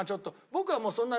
僕はもうそんな。